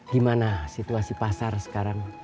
gimana situasi pasar sekarang